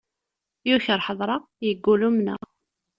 Yuker ḥedṛeɣ, yeggul umneɣ.